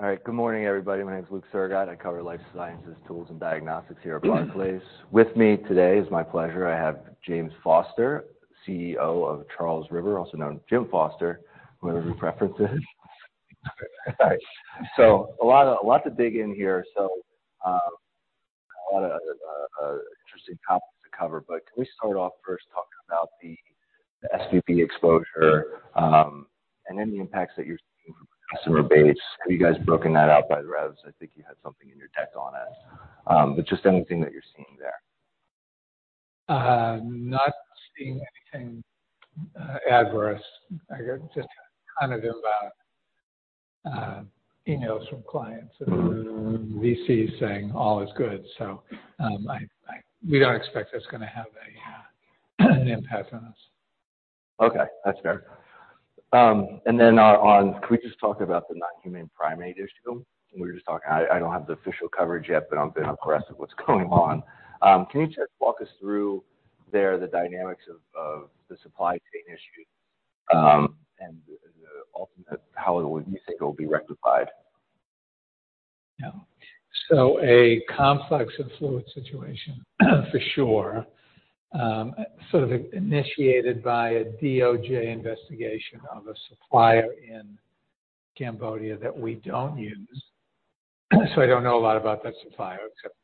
All right. Good morning, everybody. My name's Luke Sergott. I cover Life Sciences, Tools, and Diagnostics here at Barclays. With me today, it's my pleasure. I have James Foster, CEO of Charles River, also known as Jim Foster, whoever you prefer to, so a lot to dig in here, so a lot of interesting topics to cover, but can we start off first talking about the SVB exposure and then the impacts that you're seeing from the customer base? Have you guys broken that out by the revs? I think you had something in your deck on it, but just anything that you're seeing there. Not seeing anything adverse. Just kind of emails from clients and VCs saying all is good. So we don't expect that's going to have an impact on us. Okay. That's fair. And then on, can we just talk about the non-human primate issue? We were just talking. I don't have the official coverage yet, but I've been impressed with what's going on. Can you just walk us through the dynamics of the supply chain issue and how you think it will be rectified? Yeah, so a complex and fluid situation for sure, so initiated by a DOJ investigation of a supplier in Cambodia that we don't use, so I don't know a lot about that supplier except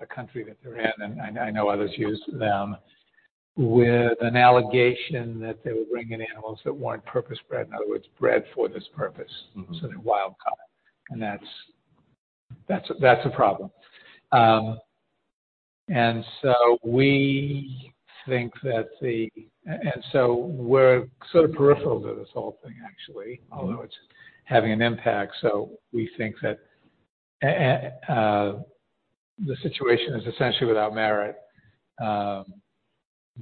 the country that they're in, and I know others use them with an allegation that they were bringing animals that weren't purpose-bred, in other words, bred for this purpose, so they're wild-caught, and that's a problem, and so we think that, and so we're sort of peripheral to this whole thing, actually, although it's having an impact, so we think that the situation is essentially without merit.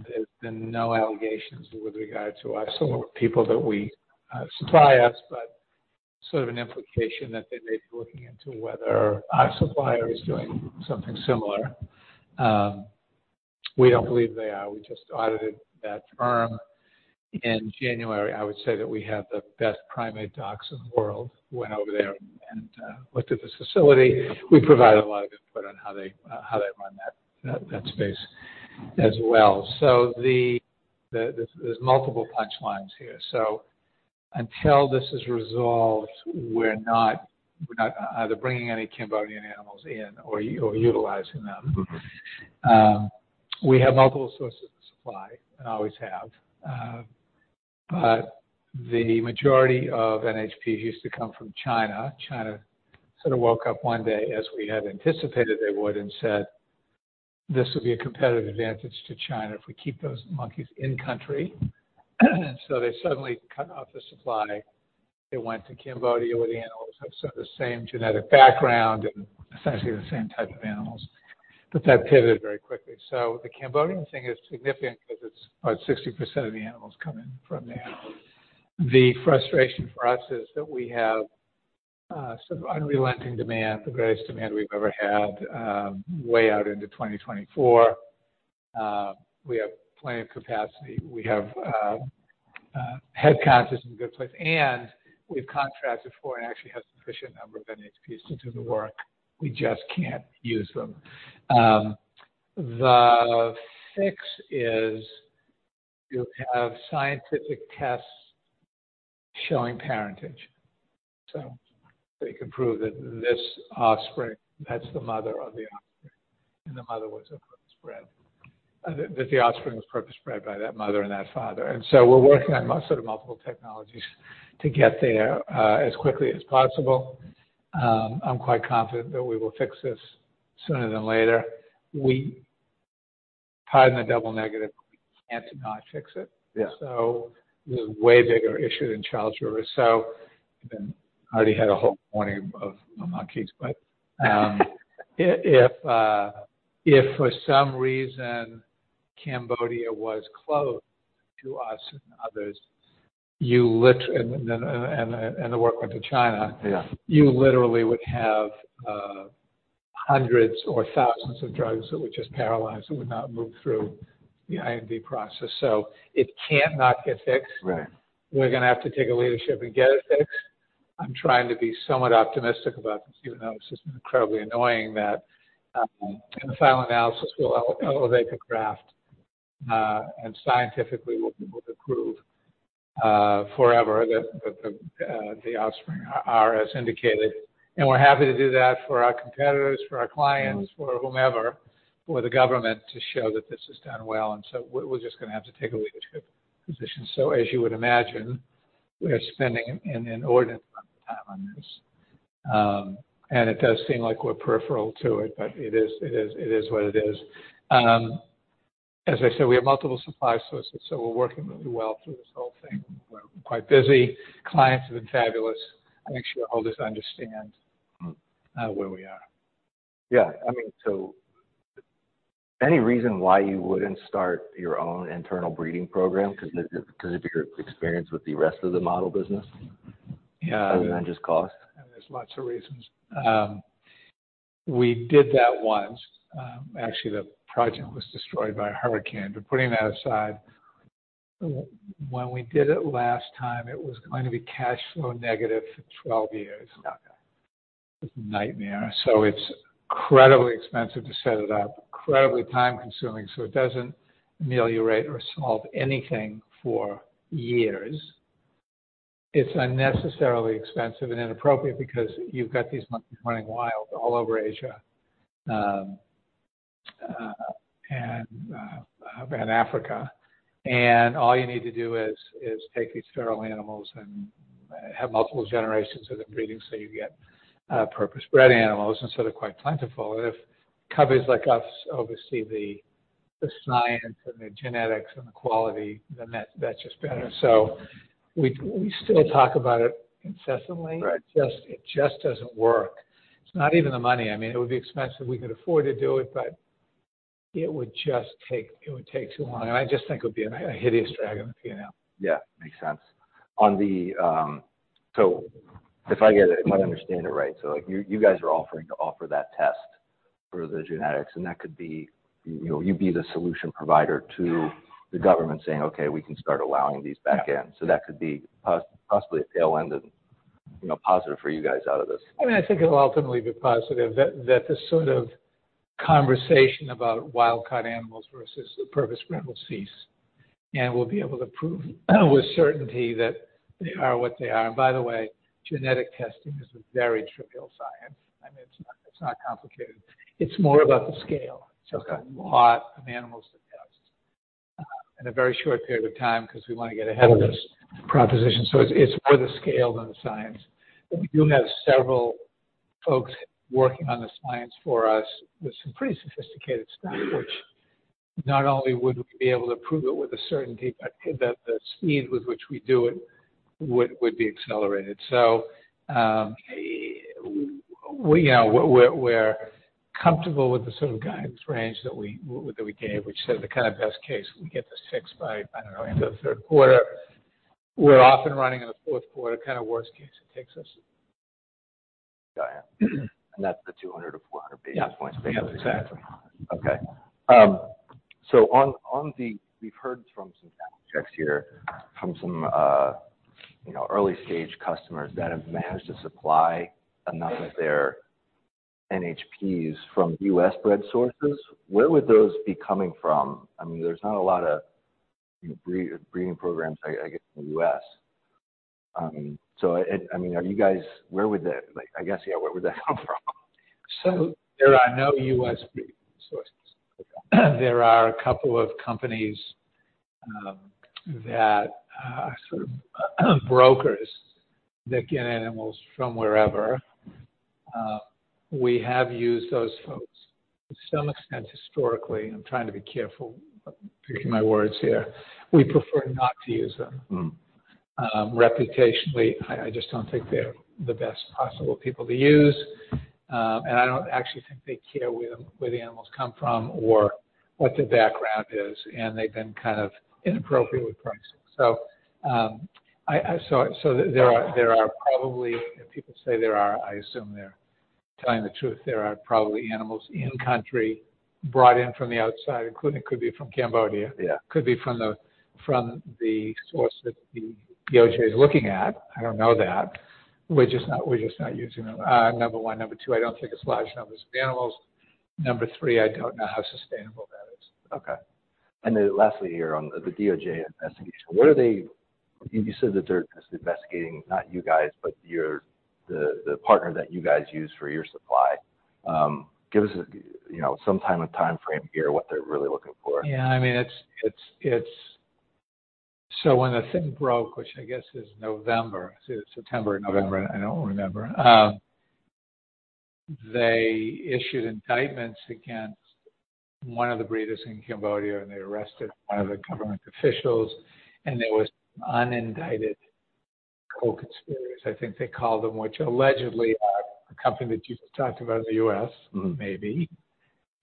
There's been no allegations with regard to us or suppliers that supply us, but sort of an implication that they may be looking into whether our supplier is doing something similar. We don't believe they are. We just audited that firm in January. I would say that we have the best primate stocks in the world. We went over there and looked at this facility. We provided a lot of input on how they run that space as well. So there's multiple pain points here. So until this is resolved, we're not either bringing any Cambodian animals in or utilizing them. We have multiple sources of supply and always have. But the majority of NHPs used to come from China. China sort of woke up one day, as we had anticipated they would, and said, "This would be a competitive advantage to China if we keep those monkeys in country." And so they suddenly cut off the supply. They went to Cambodia with animals of sort of the same genetic background and essentially the same type of animals. But that pivoted very quickly. The Cambodian thing is significant because about 60% of the animals come in from there. The frustration for us is that we have sort of unrelenting demand, the greatest demand we've ever had way out into 2024. We have plenty of capacity. We have headcount that's in a good place. And we've contracted for and actually have sufficient number of NHPs to do the work. We just can't use them. The fix is to have scientific tests showing parentage so they can prove that this offspring—that's the mother of the offspring—and the mother was a purpose-bred. That the offspring was purpose-bred by that mother and that father so we're working on sort of multiple technologies to get there as quickly as possible. I'm quite confident that we will fix this sooner than later. We tied in a double negative, but we can't not fix it. So this is a way bigger issue than Charles River. So I already had a whole morning of monkeys. But if for some reason Cambodia was closed to us and others, and the work went to China, you literally would have hundreds or thousands of drugs that would just paralyze that would not move through the IND process. So it can't not get fixed. We're going to have to take a leadership and get it fixed. I'm trying to be somewhat optimistic about this, even though it's just been incredibly annoying that in the final analysis, we'll elevate the craft. And scientifically, we'll prove forever that the offspring are as indicated. And we're happy to do that for our competitors, for our clients, for whomever, for the government to show that this is done well. And so we're just going to have to take a leadership position. So as you would imagine, we're spending an inordinate amount of time on this. And it does seem like we're peripheral to it, but it is what it is. As I said, we have multiple supply sources. So we're working really well through this whole thing. We're quite busy. Clients have been fabulous. I think shareholders understand where we are. Yeah. I mean, so any reason why you wouldn't start your own internal breeding program? Because of your experience with the rest of the model business other than just cost? Yeah, and there's lots of reasons. We did that once. Actually, the project was destroyed by a hurricane, but putting that aside, when we did it last time, it was going to be cash flow negative for 12 years. It's a nightmare. So it's incredibly expensive to set it up, incredibly time-consuming. So it doesn't ameliorate or solve anything for years. It's unnecessarily expensive and inappropriate because you've got these monkeys running wild all over Asia and Africa. And all you need to do is take these feral animals and have multiple generations of them breeding so you get purpose-bred animals instead of quite plentiful. And if companies like us oversee the science and the genetics and the quality, then that's just better. So we still talk about it incessantly. It just doesn't work. It's not even the money. I mean, it would be expensive. We could afford to do it, but it would just take too long, and I just think it would be a hideous drag on the P&L. Yeah. Makes sense. So if I understand it right, so you guys are offering to offer that test for the genetics, and that could be you'd be the solution provider to the government saying, "Okay, we can start allowing these back in." So that could be possibly a tail-ended positive for you guys out of this. I mean, I think it'll ultimately be positive that this sort of conversation about wild-caught animals versus the purpose-bred will cease. And we'll be able to prove with certainty that they are what they are. And by the way, genetic testing is a very trivial science. I mean, it's not complicated. It's more about the scale. It's a lot of animals to test in a very short period of time because we want to get ahead of this proposition. So it's more the scale than the science. But we do have several folks working on the science for us with some pretty sophisticated stuff, which not only would we be able to prove it with a certainty, but the speed with which we do it would be accelerated. So, we're comfortable with the sort of guidance range that we gave, which said the kind of best case we get this fixed by, I don't know, into the third quarter. We're often running in the fourth quarter. Kind of worst case, it takes us. Got it. That's the 200-400 basis points. Yes. Exactly. Okay. So we've heard from some channel checks here from some early-stage customers that have managed to supply enough of their NHPs from U.S.-bred sources. Where would those be coming from? I mean, there's not a lot of breeding programs, I guess, in the U.S.. So I mean, are you guys, where would that, I guess, yeah, where would that come from? So there are no U.S.-bred sources. There are a couple of companies that are sort of brokers that get animals from wherever. We have used those folks. To some extent, historically, I'm trying to be careful picking my words here. We prefer not to use them. Reputationally, I just don't think they're the best possible people to use. And I don't actually think they care where the animals come from or what their background is. And they've been kind of inappropriately priced. So there are probably. People say there are. I assume they're telling the truth. There are probably animals in country brought in from the outside, including could be from Cambodia, could be from the source that the DOJ is looking at. I don't know that. We're just not using them. Number one. Number two, I don't think it's large numbers of animals. Number three, I don't know how sustainable that is. Okay. And then lastly here on the DOJ investigation, what are they? You said that they're just investigating not you guys, but the partner that you guys use for your supply. Give us some time and timeframe here what they're really looking for. Yeah. I mean, so when the thing broke, which I guess is November, September, November, I don't remember, they issued indictments against one of the breeders in Cambodia, and they arrested one of the government officials, and there was an unindicted co-conspirator, I think they called them, which allegedly are a company that you've talked about in the U.S., maybe.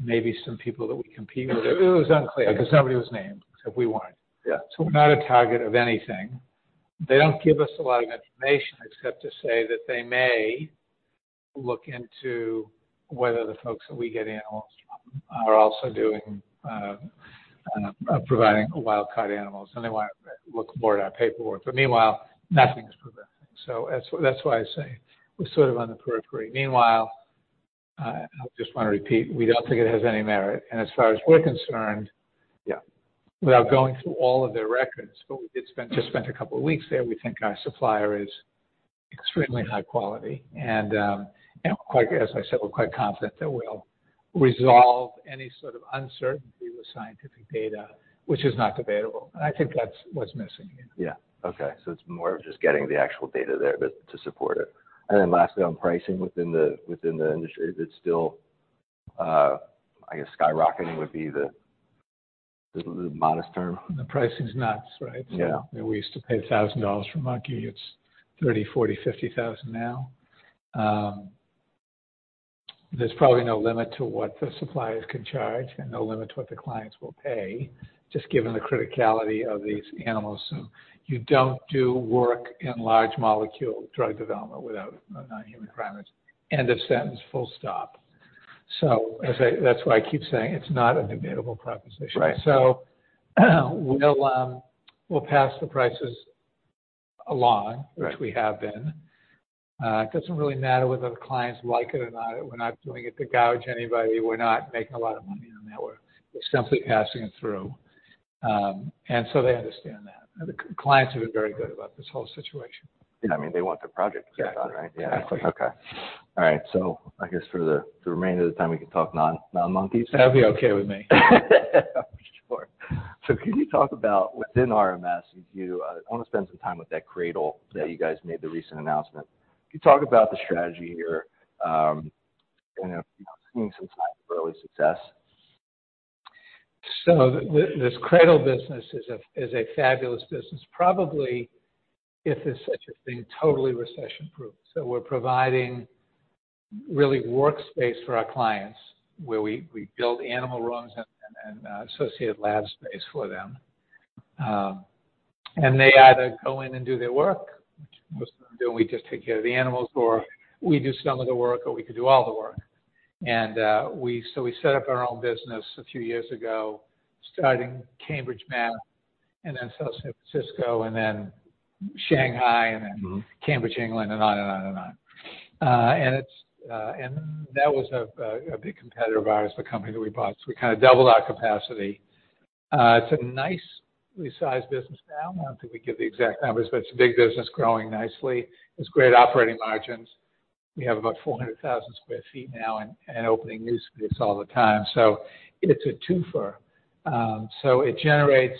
Maybe some people that we compete with. It was unclear because nobody was named except we weren't, so we're not a target of anything. They don't give us a lot of information except to say that they may look into whether the folks that we get animals from are also providing wild-caught animals, and they want to look more at our paperwork, but meanwhile, nothing is progressing, so that's why I say we're sort of on the periphery. Meanwhile, I just want to repeat, we don't think it has any merit, and as I said, we're quite confident that we'll resolve any sort of uncertainty with scientific data, which is not debatable, and I think that's what's missing here. Yeah. Okay, so it's more of just getting the actual data there to support it, and then lastly, on pricing within the industry, it's still, I guess, skyrocketing would be the modest term. The pricing's nuts, right? So we used to pay $1,000 for monkey. It's $30,000-$50,000 now. There's probably no limit to what the suppliers can charge and no limit to what the clients will pay, just given the criticality of these animals. So you don't do work in large molecule drug development without non-human primates. End of sentence. Full stop. So that's why I keep saying it's not a debatable proposition. So we'll pass the prices along, which we have been. It doesn't really matter whether the clients like it or not. We're not doing it to gouge anybody. We're not making a lot of money on that. We're simply passing it through. And so they understand that. The clients have been very good about this whole situation. Yeah. I mean, they want the project to get done, right? Yeah. Exactly. Okay. All right. So I guess for the remainder of the time, we can talk non-monkeys? That'll be okay with me. Sure. So, can you talk about within RMS, if you want to spend some time with that CRADL that you guys made the recent announcement? Can you talk about the strategy here and seeing some signs of early success? So this CRADL business is a fabulous business, probably if there's such a thing, totally recession-proof. So we're providing really workspace for our clients where we build animal rooms and associated lab space for them. And they either go in and do their work, which most of them do, and we just take care of the animals, or we do some of the work, or we could do all the work. And so we set up our own business a few years ago, starting Cambridge, Massachusetts, and then South San Francisco, and then Shanghai, and then Cambridge, England, and on and on and on. And that was a big competitor of ours, the company that we bought. So we kind of doubled our capacity. It's a nicely sized business now. I don't think we give the exact numbers, but it's a big business growing nicely. It's great operating margins. We have about 400,000 sq ft now and opening new space all the time. So it's a twofer. So it generates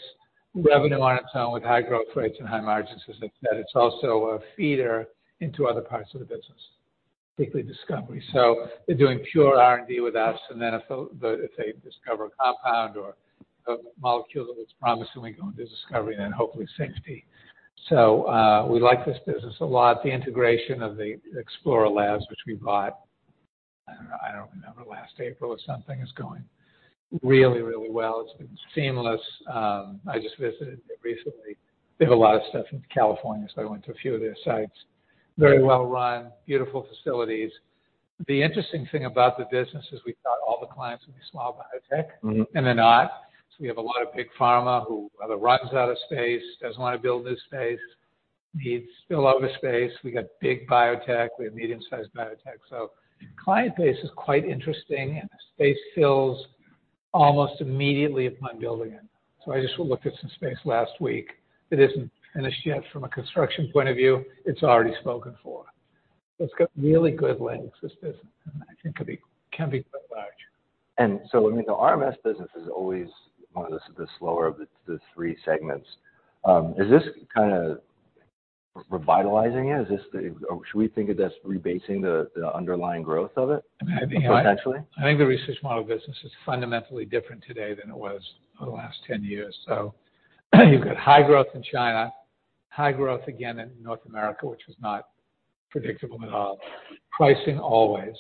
revenue on its own with high growth rates and high margins, as I said. It's also a feeder into other parts of the business, particularly Discovery. So they're doing pure R&D with us. And then if they discover a compound or a molecule that looks promising, we go into Discovery and then hopefully Safety. So we like this business a lot. The integration of the Explora BioLabs, which we bought, I don't remember, last April or something, is going really, really well. It's been seamless. I just visited it recently. They have a lot of stuff in California, so I went to a few of their sites. Very well-run, beautiful facilities. The interesting thing about the business is we thought all the clients would be small biotech, and they're not. So we have a lot of big pharma who either runs out of space, doesn't want to build new space, needs spillover space. We got big biotech. We have medium-sized biotech. So client base is quite interesting, and space fills almost immediately upon building it. So I just looked at some space last week. It isn't finished yet from a construction point of view. It's already spoken for. It's got really good legs, this business. And I think it can be quite large. And so, I mean, the RMS business is always one of the slower of the three segments. Is this kind of revitalizing it? Or should we think of this rebasing the underlying growth of it, potentially? I think the research model business is fundamentally different today than it was over the last 10 years. So you've got high growth in China, high growth again in North America, which was not predictable at all. Pricing always.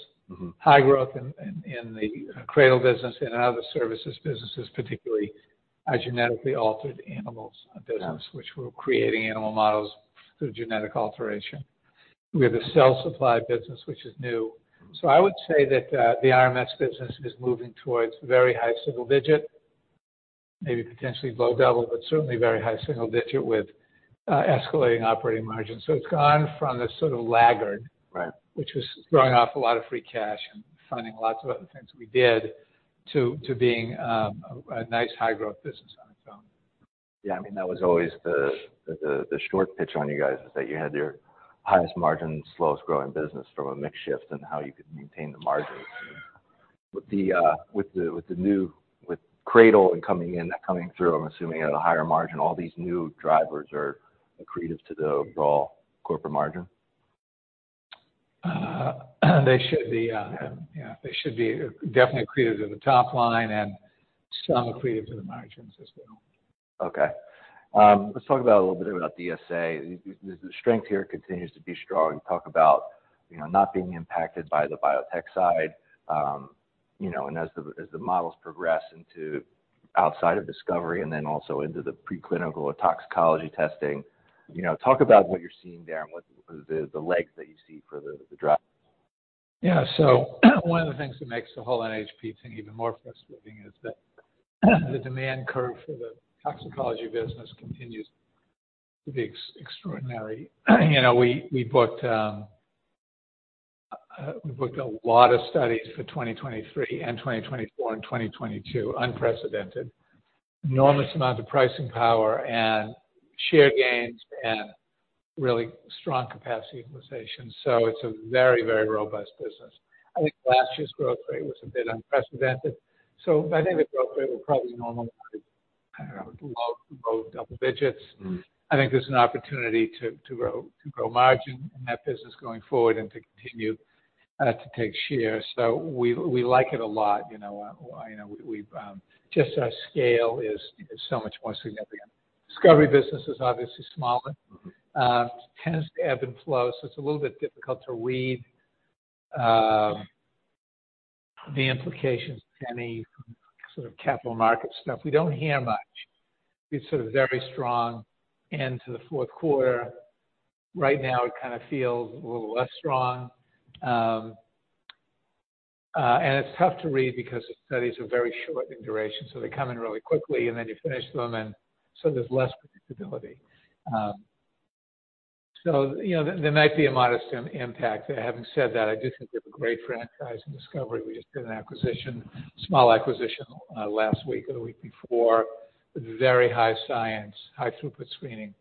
High growth in the CRADL business and in other services businesses, particularly our genetically altered animals business, which we're creating animal models through genetic alteration. We have a cell supply business, which is new. So I would say that the RMS business is moving towards very high single-digit, maybe potentially low double, but certainly very high single-digit with escalating operating margins. So it's gone from this sort of laggard, which was throwing off a lot of free cash and funding lots of other things we did, to being a nice high-growth business on its own. Yeah. I mean, that was always the short pitch on you guys is that you had your highest margins, slowest growing business from a mix shift and how you could maintain the margins. With the new CRADL coming in, that coming through, I'm assuming at a higher margin, all these new drivers are accretive to the overall corporate margin? They should be. Yeah. They should be definitely accretive to the top line and some accretive to the margins as well. Okay. Let's talk a little bit about DSA. The strength here continues to be strong. Talk about not being impacted by the biotech side. And as the models progress into outside of Discovery and then also into the preclinical toxicology testing, talk about what you're seeing there and the legs that you see for the drive. Yeah. So one of the things that makes the whole NHP thing even more frustrating is that the demand curve for the toxicology business continues to be extraordinary. We booked a lot of studies for 2023 and 2024 and 2022, unprecedented. Enormous amount of pricing power and share gains and really strong capacity utilization. So it's a very, very robust business. I think last year's growth rate was a bit unprecedented. So I think the growth rate will probably normalize, I don't know, low double-digits. I think there's an opportunity to grow margin in that business going forward and to continue to take share. So we like it a lot. Just our scale is so much more significant. Discovery business is obviously smaller. Tends to ebb and flow. So it's a little bit difficult to read the implications of any sort of capital market stuff. We don't hear much. It's sort of very strong into the fourth quarter. Right now, it kind of feels a little less strong, and it's tough to read because the studies are very short in duration, so they come in really quickly, and then you finish them, and so there's less predictability, so there might be a modest impact. Having said that, I do think we have a great franchise in Discovery. We just did an acquisition, a small acquisition last week or the week before, a very high-science, high-throughput screening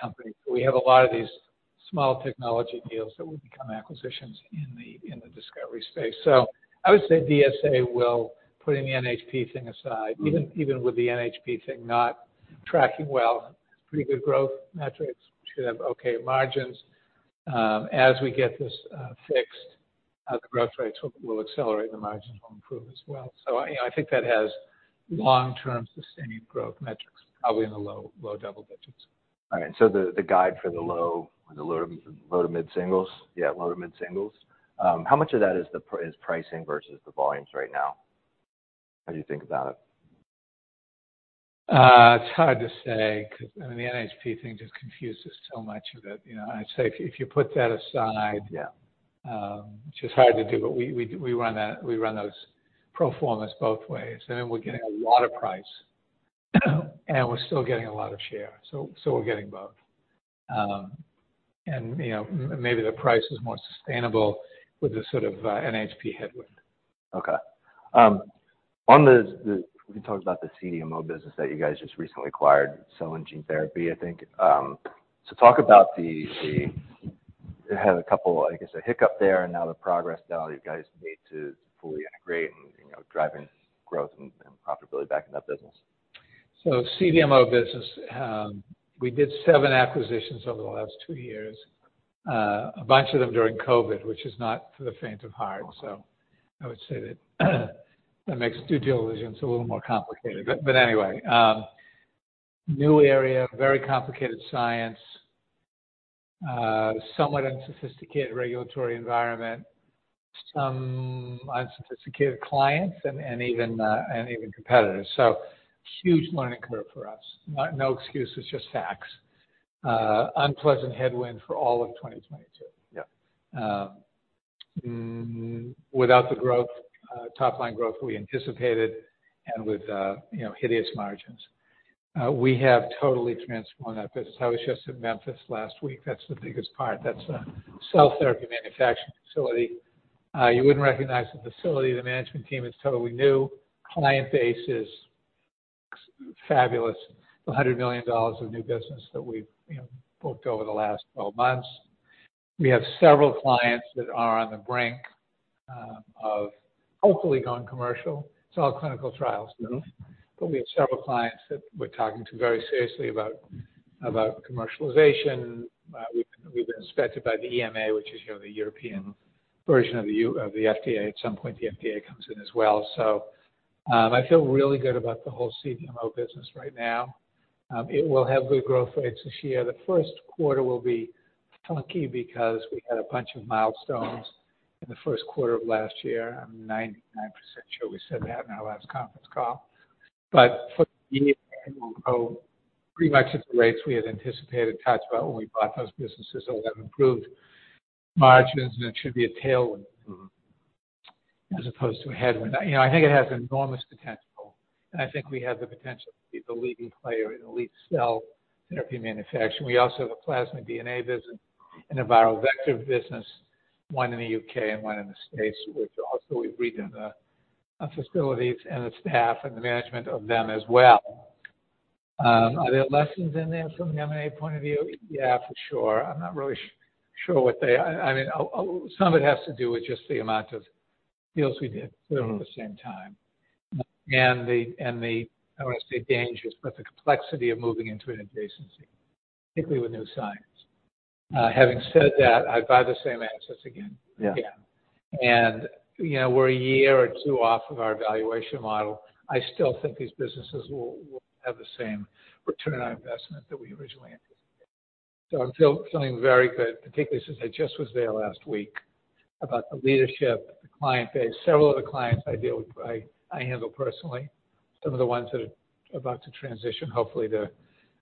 company, so we have a lot of these small technology deals that will become acquisitions in the Discovery space, so I would say DSA will, putting the NHP thing aside, even with the NHP thing not tracking well, pretty good growth metrics, should have okay margins. As we get this fixed, the growth rates will accelerate. The margins will improve as well. So I think that has long-term sustained growth metrics, probably in the low double-digits. All right. So the guide for the low to mid singles? Yeah, low to mid singles. How much of that is pricing versus the volumes right now? How do you think about it? It's hard to say because the NHP thing just confuses so much of it. I'd say if you put that aside, which is hard to do, but we run those pro formas both ways. I mean, we're getting a lot of price, and we're still getting a lot of share. So we're getting both. And maybe the price is more sustainable with the sort of NHP headwind. Okay. We can talk about the CDMO business that you guys just recently acquired, cell and gene therapy, I think. So talk about the-I have a couple, I guess, a hiccup there and now the progress that you guys need to fully integrate and driving growth and profitability back in that business. So, CDMO business, we did seven acquisitions over the last two years, a bunch of them during COVID, which is not for the faint of heart. So I would say that makes due diligence a little more complicated. But anyway, new area, very complicated science, somewhat unsophisticated regulatory environment, some unsophisticated clients and even competitors. So huge learning curve for us. No excuses, just facts. Unpleasant headwind for all of 2022. Without the growth, top-line growth we anticipated and with hideous margins. We have totally transformed that business. I was just at Memphis last week. That's the biggest part. That's a cell therapy manufacturing facility. You wouldn't recognize the facility. The management team is totally new. Client base is fabulous. The $100 million of new business that we've booked over the last 12 months. We have several clients that are on the brink of hopefully going commercial. It's all clinical trials. But we have several clients that we're talking to very seriously about commercialization. We've been inspected by the EMA, which is the European version of the FDA. At some point, the FDA comes in as well. So I feel really good about the whole CDMO business right now. It will have good growth rates this year. The first quarter will be funky because we had a bunch of milestones in the first quarter of last year. I'm 99% sure we said that in our last conference call. But for the year, it will grow pretty much at the rates we had anticipated, talked about when we bought those businesses. It will have improved margins, and it should be a tailwind as opposed to a headwind. I think it has enormous potential. And I think we have the potential to be the leading player in elite cell therapy manufacturing. We also have a plasmid DNA business and a viral vector business, one in the U.K. and one in the States, which also we've redone the facilities and the staff and the management of them as well. Are there lessons in there from the M&A point of view? Yeah, for sure. I'm not really sure what they, I mean, some of it has to do with just the amount of deals we did at the same time. I don't want to say dangerous, but the complexity of moving into an adjacency, particularly with new science. Having said that, I'd buy the same assets again. And we're a year or two off of our valuation model. I still think these businesses will have the same return on investment that we originally anticipated. So I'm feeling very good, particularly since I just was there last week about the leadership, the client base. Several of the clients I deal with, I handle personally, some of the ones that are about to transition, hopefully, to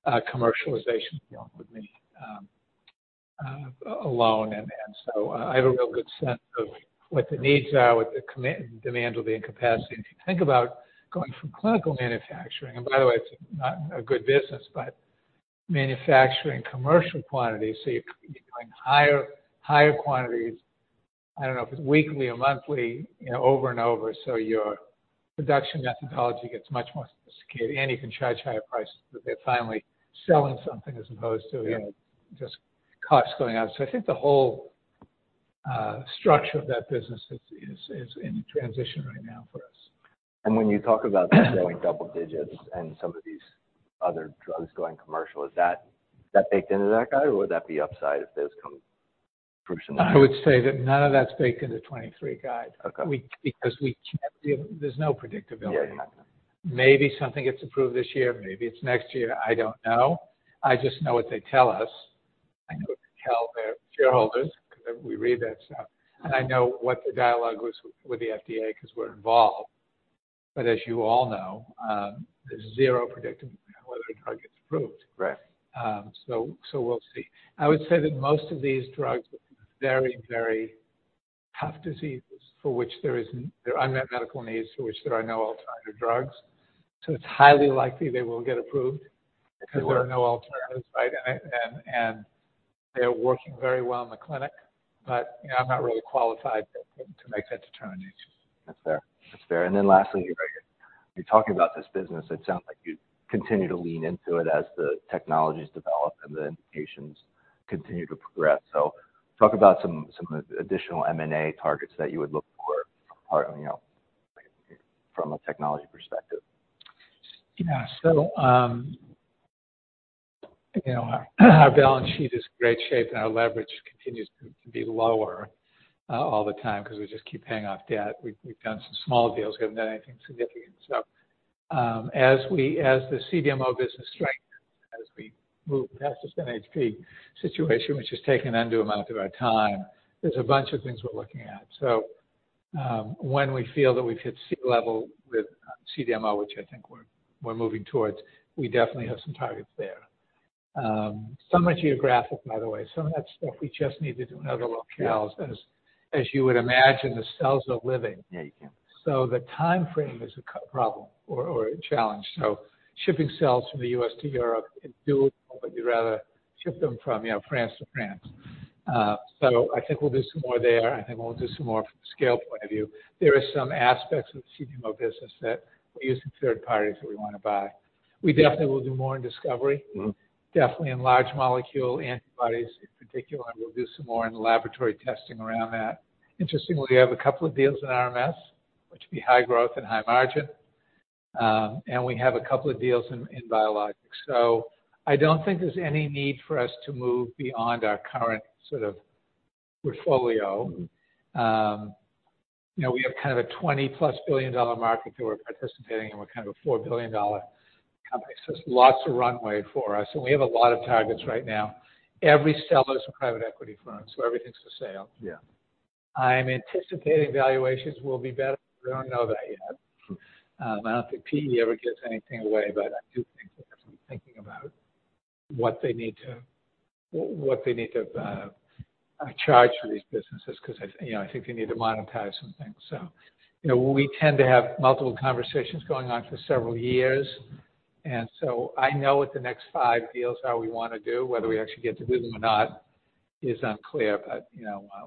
commercialization dealing with me alone. And so I have a real good sense of what the needs are, what the demand will be, and capacity. If you think about going from clinical manufacturing, and by the way, it's not a good business, but manufacturing commercial quantities, so you're doing higher quantities. I don't know if it's weekly or monthly, over and over. So your production methodology gets much more sophisticated, and you can charge higher prices because they're finally selling something as opposed to just costs going up. So I think the whole structure of that business is in transition right now for us. When you talk about the growing double-digits and some of these other drugs going commercial, is that baked into that guide, or would that be upside if there's some proof? I would say that none of that's baked into 2023 guidance because there's no predictability. Maybe something gets approved this year. Maybe it's next year. I don't know. I just know what they tell us. I know what they tell their shareholders because we read that stuff, and I know what the dialogue was with the FDA because we're involved, but as you all know, there's zero predictability on whether a drug gets approved, so we'll see. I would say that most of these drugs are very, very tough diseases for which there are unmet medical needs for which there are no alternative drugs, so it's highly likely they will get approved because there are no alternatives, right, and they're working very well in the clinic, but I'm not really qualified to make that determination. That's fair. That's fair. And then lastly, you're talking about this business. It sounds like you continue to lean into it as the technology is developed and the indications continue to progress. So talk about some additional M&A targets that you would look for from a technology perspective. Yeah. So our balance sheet is in great shape, and our leverage continues to be lower all the time because we just keep paying off debt. We've done some small deals. We haven't done anything significant. So as the CDMO business strengthens, as we move past this NHP situation, which is taking an undue amount of our time, there's a bunch of things we're looking at. So when we feel that we've hit C-level with CDMO, which I think we're moving towards, we definitely have some targets there. Some are geographic, by the way. Some of that stuff, we just need to do in other locales. As you would imagine, the cells are living. So the time frame is a problem or a challenge. So shipping cells from the U.S. to Europe is doable, but you'd rather ship them from France to France. So I think we'll do some more there. I think we'll do some more from a scale point of view. There are some aspects of the CDMO business that we use in third parties that we want to buy. We definitely will do more in Discovery, definitely in large molecule antibodies in particular. We'll do some more in laboratory testing around that. Interestingly, we have a couple of deals in RMS, which would be high growth and high margin. And we have a couple of deals in biologics. So I don't think there's any need for us to move beyond our current sort of portfolio. We have kind of a $20-plus billion market that we're participating in. We're kind of a $4 billion company. So it's lots of runway for us. And we have a lot of targets right now. Every seller is a private equity firm, so everything's for sale. I'm anticipating valuations will be better. I don't know that yet. I don't think PE ever gives anything away, but I do think they have to be thinking about what they need to charge for these businesses because I think they need to monetize some things. So we tend to have multiple conversations going on for several years, and so I know what the next five deals are we want to do, whether we actually get to do them or not, is unclear, but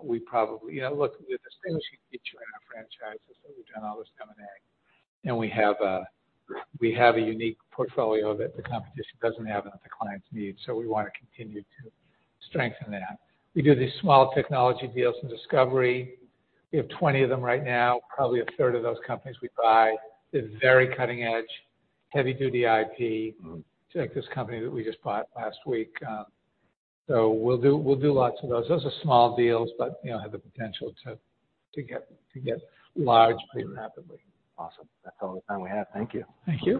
we probably look, the distinguishing feature in our franchise is that we've done all this M&A, and we have a unique portfolio that the competition doesn't have and that the clients need. So we want to continue to strengthen that. We do these small technology deals in Discovery. We have 20 of them right now. Probably a third of those companies we buy is very cutting-edge, heavy-duty IP, like this company that we just bought last week. So we'll do lots of those. Those are small deals, but have the potential to get large pretty rapidly. Awesome. That's all the time we have. Thank you. Thank you.